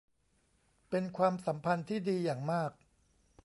เป็นความสัมพันธ์ที่ดีอย่างมาก